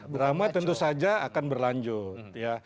drama tentu saja akan berlanjut ya